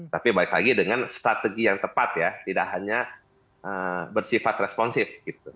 tapi baik lagi dengan strategi yang tepat ya tidak hanya bersifat responsif